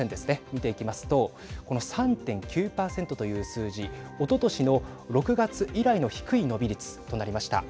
見ていきますとこの３．９％という数字おととしの６月以来の低い伸び率となりました。